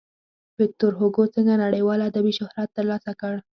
ویکتور هوګو څنګه نړیوال ادبي شهرت ترلاسه کړ.